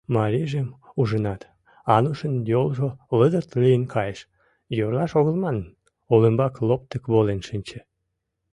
Марийжым ужынат, Анушын йолжо лыдырт лийын кайыш, йӧрлаш огыл манын, олымбак лоптык волен шинче.